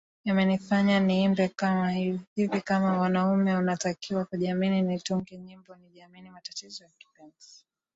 Yamenifanya niimbe hivi kama Mwanaume unatakiwa Kujiamini Nitunge nyimbo najiamini Matatizo ya kimapenzi